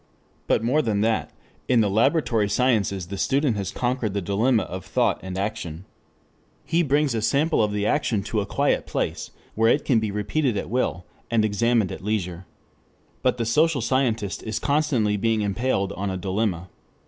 But more than that. In the laboratory sciences the student has conquered the dilemma of thought and action. He brings a sample of the action to a quiet place, where it can be repeated at will, and examined at leisure. But the social scientist is constantly being impaled on a dilemma.